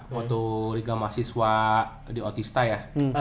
waktu liga mahasiswa di otista ya